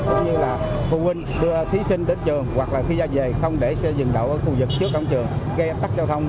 cũng như là phụ huynh đưa thí sinh đến trường hoặc là thí gia về không để xe dừng đậu ở khu vực trước cổng trường gây ảnh cắt giao thông